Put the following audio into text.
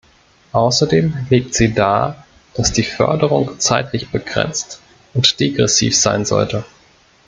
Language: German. Außerdem legt sie dar, dass die Förderung zeitlich begrenzt und degressiv sein sollte.